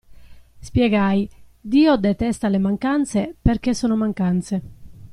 Spiegai: Dio detesta le mancanze, perché sono mancanze.